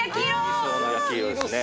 理想の焼き色ですね。